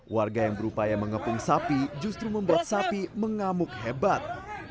warga yang berupaya mengepung sapi justru membuat sapi mengamuk hebat